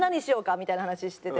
みたいな話してて。